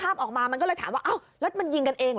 อุ๊บอิ๊บ